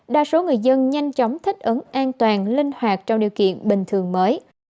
đa số người dân nhanh chóng thích ứng an toàn linh hoạt trong điều kiện bình thường mới